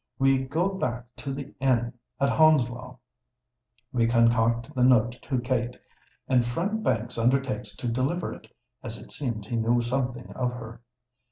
We go back to the inn at Hounslow: we concoct the note to Kate; and friend Banks undertakes to deliver it, as it seemed he knew something of her.